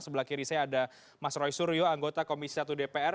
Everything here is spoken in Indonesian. sebelah kiri saya ada mas roy suryo anggota komisi satu dpr